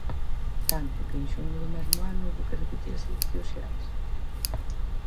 Tanto, que en xuño do mesmo ano houbo que repetir as eleccións xerais.